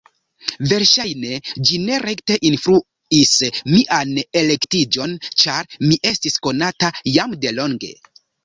Verŝajne ĝi ne rekte influis mian elektiĝon, ĉar mi estis konata jam de longe.